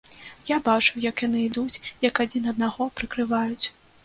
Я бачыў, як яны ідуць, як адзін аднаго прыкрываюць.